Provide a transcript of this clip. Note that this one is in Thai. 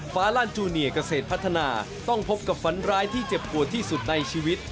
ฟ้าลั่นจูเนียเกษตรพัฒนาต้องพบกับฝันร้ายที่เจ็บปวดที่สุดในชีวิต